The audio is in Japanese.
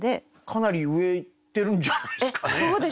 かなり上いってるんじゃないですかね。